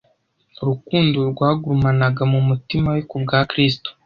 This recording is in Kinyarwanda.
Urukundo rwagurumanaga mu mutima we kubwa Kristo